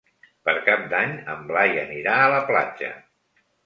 Per Cap d'Any en Blai anirà a la platja.